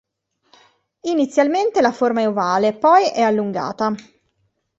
Inizialmente la forma è ovale, poi è allungata.